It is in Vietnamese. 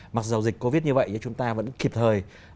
mặc dù dịch covid như vậy nhưng chúng ta vẫn kịp thời